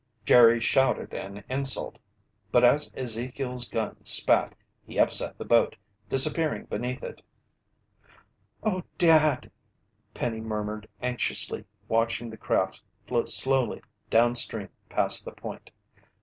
Jerry shouted an insult. But as Ezekiel's gun spat, he upset the boat, disappearing beneath it. "Oh, Dad!" Penny murmured anxiously, watching the craft float slowly downstream past the point.